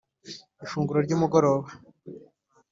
ifunguro ryumugoroba.